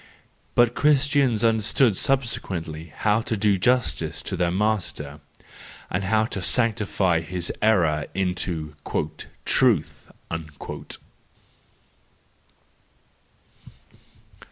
But Christians under¬ stood subsequently how to do justice to their master, and to sanctify his error into a "truth" 139 .